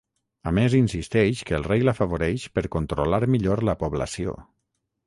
A més insisteix que el rei l'afavoreix per controlar millor la població.